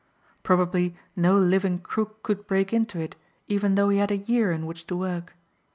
Probably no living crook could break into it even though he had a year in which to work.